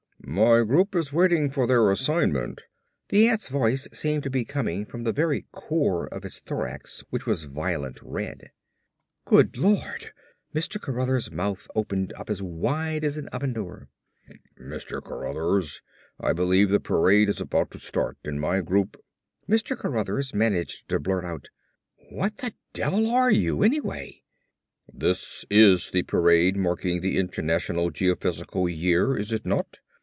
"My group is waiting for their assignment." The ant's voice seemed to be coming from the very core of its thorax which was a violent red. "Good Lord!" Mr. Cruthers' mouth opened up as wide as an oven door. "Mr. Cruthers, I believe the parade is about to start and my group " Mr. Cruthers managed to blurt out. "What the devil are you anyway!" "This is the parade marking the International Geophysical Year, is it not?"